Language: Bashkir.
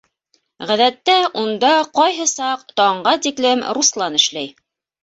Ғәҙәттә унда ҡайһы саҡ таңға тиклем Руслан эшләй.